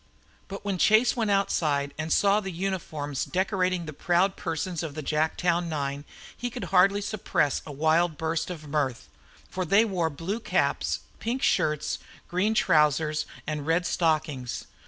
But when Chase went outside and saw the uniforms decorating the proud persons of the Jacktown nine he could hardly suppress a wild burst of mirth. For they wore blue caps, pink shirts, green trousers, and red stockings.